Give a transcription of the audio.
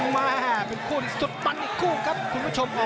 มาเป็นคู่สุดปันอีกคู่ครับคุณผู้ชม